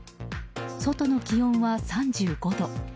外の気温は３５度。